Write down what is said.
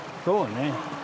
そうね。